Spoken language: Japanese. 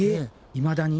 いまだに？